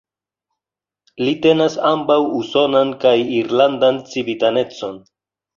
Li tenas ambaŭ usonan kaj irlandan civitanecon.